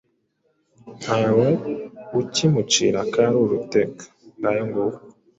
Ntawe ukimucira akari urutega."Ngayo nguko